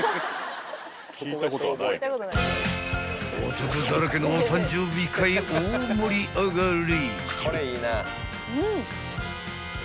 ［男だらけのお誕生日会大盛り上がり］